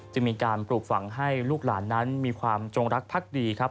จะมีการปลูกฝังให้ลูกหลานนั้นมีความจงรักพักดีครับ